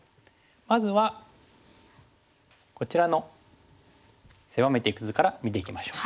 まずはこちらの狭めていく図から見ていきましょう。